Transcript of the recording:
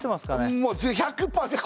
もう１００パー